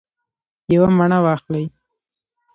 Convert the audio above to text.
یوه مڼه واخلئ